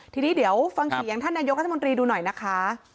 ทีนี้เดี๋ยวฟังเสียงท่านนายกรัฐมนตรีดูหน่อยนะคะ